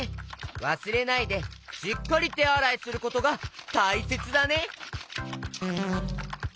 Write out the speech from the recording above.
わすれないでしっかりてあらいすることがたいせつだね！